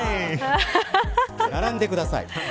並んでください。